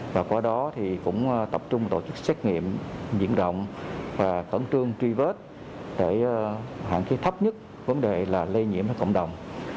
và qua đó thì cũng tập trung tổ chức xét nghiệm diện động và cẩn trương truy vết để hạn chế thấp nhất vấn đề là lây nhiễm trong cộng đồng